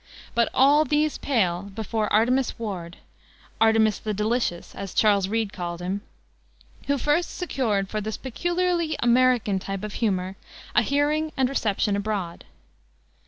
But all these pale before Artemus Ward "Artemus the delicious," as Charles Reade called him who first secured for this peculiarly American type of humor a hearing and reception abroad.